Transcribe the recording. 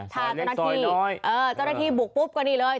ซอยเล็กซอยน้อย